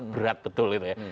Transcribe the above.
berat betul itu ya